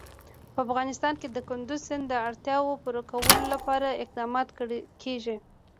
په افغانستان کې د کندز سیند د اړتیاوو پوره کولو لپاره اقدامات کېږي.